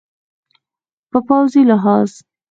په پوځي لحاظ